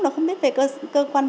nó không biết về cơ quan